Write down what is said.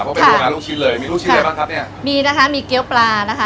เพราะเป็นโรงงานลูกชิ้นเลยมีลูกชิ้นอะไรบ้างครับเนี่ยมีนะคะมีเกี้ยวปลานะคะ